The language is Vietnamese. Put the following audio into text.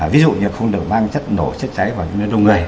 ví dụ như không được mang chất nổ chất cháy vào những nơi đông người